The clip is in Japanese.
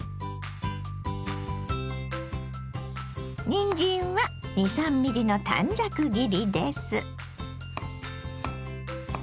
にんじんは２３ｍｍの短冊切りです。